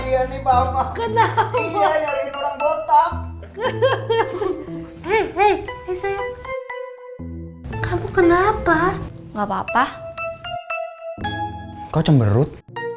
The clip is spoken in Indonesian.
hai hei hei kamu kenapa nggak papa kau cemberut